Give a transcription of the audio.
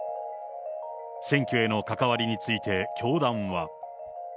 選挙への関わりについて教団は。